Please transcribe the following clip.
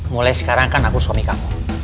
mulai sekarang kan aku suami kamu